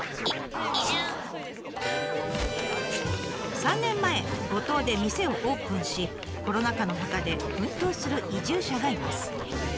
３年前五島で店をオープンしコロナ禍の中で奮闘する移住者がいます。